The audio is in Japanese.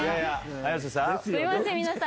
綾瀬さん？